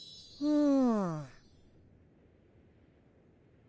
うん。